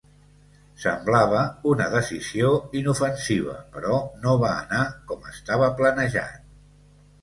Semblava una decisió inofensiva, però no va anar com estava planejat.